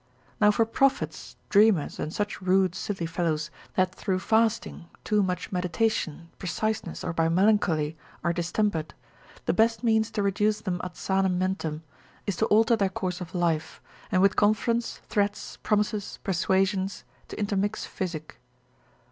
Now for prophets, dreamers, and such rude silly fellows, that through fasting, too much meditation, preciseness, or by melancholy, are distempered: the best means to reduce them ad sanam mentem, is to alter their course of life, and with conference, threats, promises, persuasions, to intermix physic.